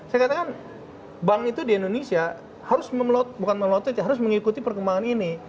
saya katakan bank itu di indonesia harus mengikuti perkembangan ini